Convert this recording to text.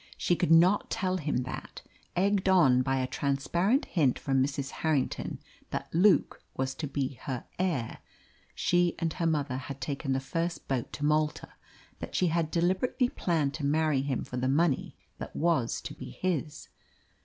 She could not tell him that, egged on by a transparent hint from Mrs. Harrington that Luke was to be her heir, she and her mother had taken the first boat to Malta; that she had deliberately planned to marry him for the money that was to be his.